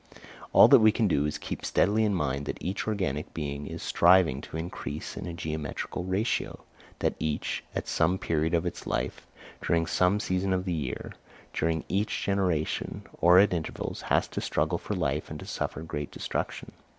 All that we can do is to keep steadily in mind that each organic being is striving to increase in a geometrical ratio; that each, at some period of its life, during some season of the year, during each generation, or at intervals, has to struggle for life and to suffer great destruction.